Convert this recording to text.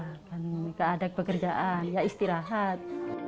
ketika ada pekerjaan ya istirahat